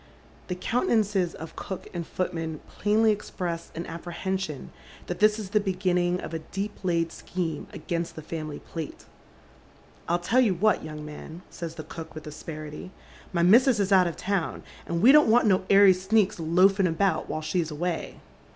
The countenances of cook and footman plainly express au apprehension that this is the beginning of a deep laid scheme against the family plate. " I'll teU you what, young man," says the cook, with aspeiity, " my missus is out of town, and we don't want no airy sneaks loafing about while she's away."